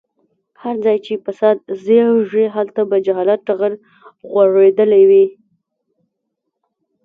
هر ځای چې فساد زيږي هلته به جهالت ټغر غوړولی وي.